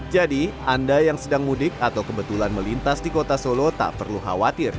jadi anda yang sedang mudik atau kebetulan melintas di kota solo tak perlu khawatir